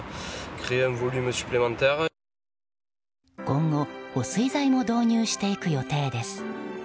今後、保水剤も導入していく予定です。